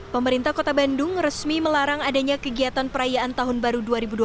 pemerintah kota bandung resmi melarang adanya kegiatan perayaan tahun baru dua ribu dua puluh